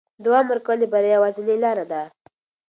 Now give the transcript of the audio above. دوام ورکول د بریا یوازینۍ لاره ده.